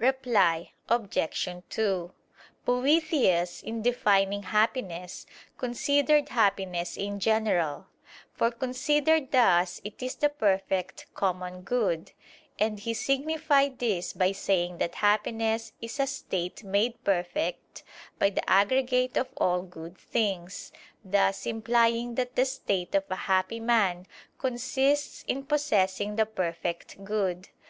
Reply Obj. 2: Boethius, in defining happiness, considered happiness in general: for considered thus it is the perfect common good; and he signified this by saying that happiness is "a state made perfect by the aggregate of all good things," thus implying that the state of a happy man consists in possessing the perfect good.